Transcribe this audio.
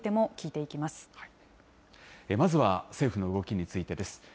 なまずは政府の動きについてです。